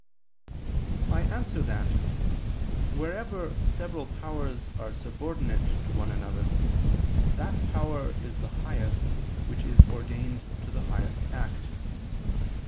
I answer that, Wherever several powers are subordinate to one another, that power is the highest which is ordained to the highest act.